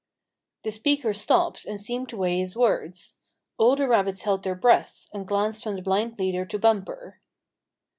The speaker stopped and seemed to weigh his words. All the rabbits held their breaths, and glanced from the blind leader to Bumper.